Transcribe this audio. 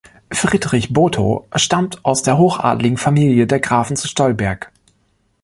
Friedrich Botho stammt aus der hochadligen Familie der Grafen zu Stolberg.